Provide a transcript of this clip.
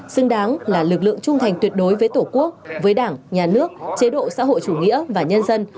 xứng đáng là lực lượng trung thành tuyệt đối với tổ quốc với đảng nhà nước chế độ xã hội chủ nghĩa và nhân dân